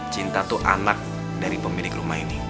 cinta tuh anak dari pemilik rumah ini